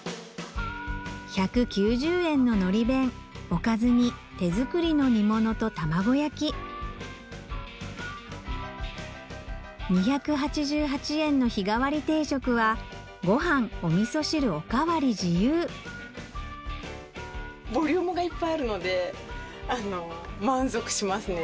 おかずに手作りの煮物と卵焼き２８８円の日替わり定食はご飯おみそ汁お代わり自由ボリュームがいっぱいあるので満足しますね。